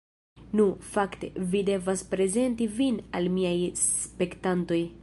Nu, fakte, vi devas prezenti vin al miaj spektantoj